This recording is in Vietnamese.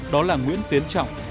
đó là nguyễn tiến trọng